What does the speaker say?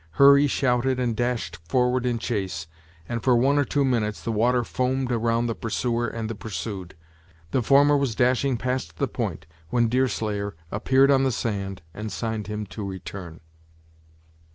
Hurry shouted and dashed forward in chase, and for one or two minutes the water foamed around the pursuer and the pursued. The former was dashing past the point, when Deerslayer appeared on the sand and signed to him to return.